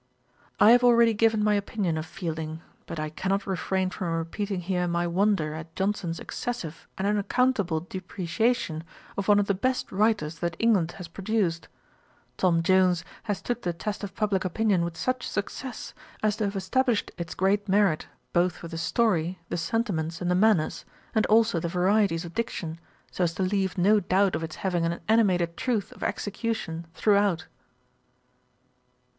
I have already given my opinion of Fielding; but I cannot refrain from repeating here my wonder at Johnson's excessive and unaccountable depreciation of one of the best writers that England has produced. Tom Jones has stood the test of publick opinion with such success, as to have established its great merit, both for the story, the sentiments, and the manners, and also the varieties of diction, so as to leave no doubt of its having an animated truth of execution throughout.